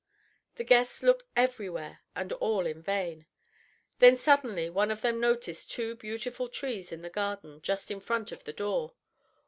The guests looked everywhere, and all in vain. Then suddenly one of them noticed two beautiful trees in the garden, just in front of the door.